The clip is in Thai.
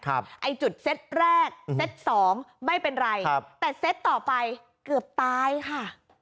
ไอ้จุดเซตแรกเซ็ตสองไม่เป็นไรครับแต่เซตต่อไปเกือบตายค่ะ